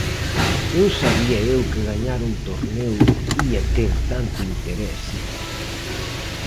"Non sabía eu que gañar un torneo ía ter tanto interese".